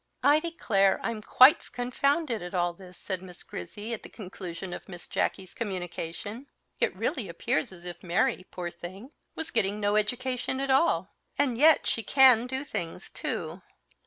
"I declare I'm quite confounded at all this!" said Miss Grizzy, at the conclusion of Miss Jacky's communication. "It really appears as if Mary, poor thing, was getting no education at all; and yet she can do things, too.